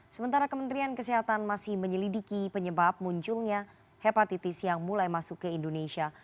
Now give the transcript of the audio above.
sementara kementerian kesehatan masih menyelidiki penyebab munculnya hepatitis yang mulai masuk ke indonesia